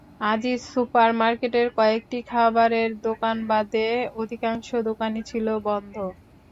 Aziz super মার্কেটের কয়েকটি খাবারের দোকান বাদে অধিকাংশ দোকানই ছিল বন্ধ।